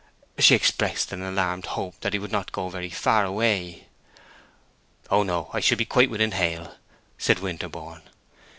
She expressed an alarmed hope that he would not go very far away. "Oh no—I shall be quite within hail," said Winterborne.